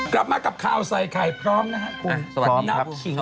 กลับมากับข่าวใส่ไข่พร้อมนะครับคุณสวัสดีครับ